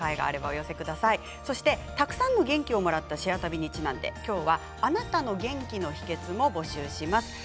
当時たくさんの元気をもらった「シェア旅」にちなんできょうはあなたの元気の秘けつも募集します。